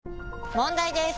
問題です！